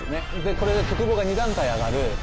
これでとくぼうが２段階上がる。